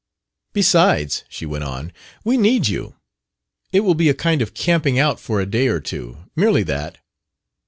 "Besides," she went on, "we need you. It will be a kind of camping out for a day or two merely that.